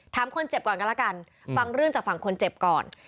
ถามคนเจ็บก่อนกันแล้วกันฟังเรื่องจากฝั่งคนเจ็บก่อน